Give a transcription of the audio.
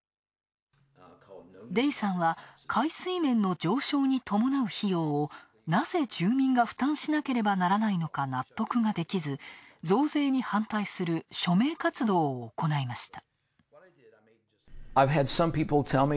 デイさんは海水面の上昇にともなう費用をなぜ住民が負担しなければならないのか、納得ができず、増税に反対する署名活動を行いました。